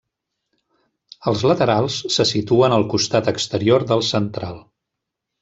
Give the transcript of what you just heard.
Els laterals se situen al costat exterior del central.